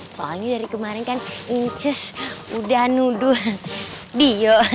soalnya dari kemarin kan inces udah nuduh dio